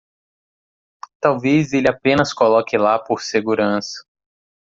Talvez ele apenas coloque lá por segurança.